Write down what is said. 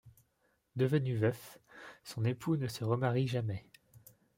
Devenu veuf, son époux ne se remarie jamais.